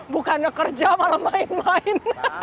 bukannya kerja malah main main